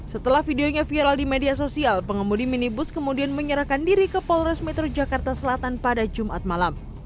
setelah videonya viral di media sosial pengemudi minibus kemudian menyerahkan diri ke polres metro jakarta selatan pada jumat malam